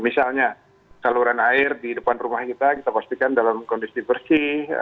misalnya saluran air di depan rumah kita kita pastikan dalam kondisi bersih